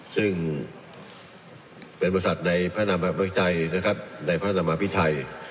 ซึ่งเป็นบริษัทในพระนามภัยในพระยะนามอาภิเทศัย